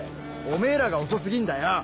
おめぇらが遅過ぎんだよ！